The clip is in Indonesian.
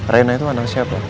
reina itu orang siapa